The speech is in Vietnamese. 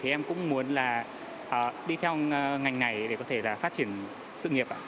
em cũng muốn đi theo ngành này để có thể phát triển sự nghiệp